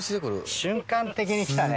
瞬間的に来たね。